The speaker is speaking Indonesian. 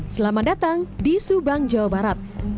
selamat datang di subang jawa barat